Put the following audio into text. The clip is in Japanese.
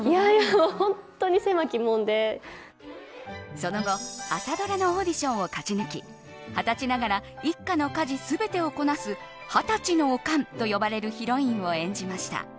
その後、朝ドラのオーディションを勝ち抜き２０歳ながら一家の家事を全てをこなすハタチのおかんと呼ばれるヒロインを演じました。